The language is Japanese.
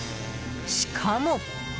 しかも。